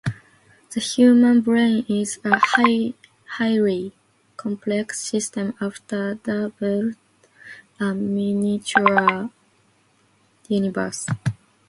The human brain is a highly complex system often dubbed a miniature universe.